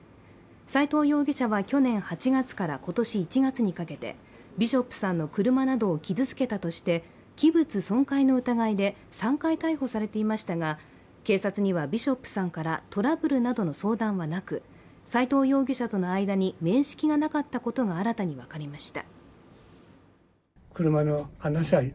斉藤容疑者は去年８月から今年１月にかけてビショップさんの車などを傷つけたとして器物損壊の疑いで３回逮捕されていましたが警察にはビショップさんからトラブルなどの相談はなく斉藤容疑者との間に面識がなかったことが新たに分かりました。